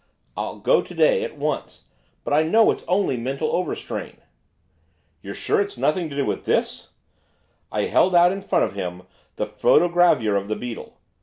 'I'll go to day; at once; but I know it's only mental overstrain.' 'You're sure it's nothing to do with this?' I held out in front of him the photogravure of the beetle.